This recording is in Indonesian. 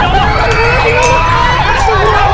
anak anak ayo keluar semua